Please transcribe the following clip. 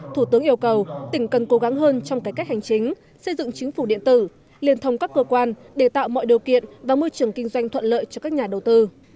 thủ tướng yêu cầu tỉnh cần cố gắng hơn trong cải cách hành chính xây dựng chính phủ điện tử liên thông các cơ quan để tạo mọi điều kiện và môi trường kinh doanh thuận lợi cho các nhà đầu tư